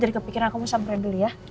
dari kepikiran kamu sama rhandul ya